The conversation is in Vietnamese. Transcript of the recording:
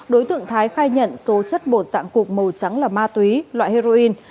đối tượng thái khai nhận số chất bột dạng cục màu trắng là ma túy loại heroin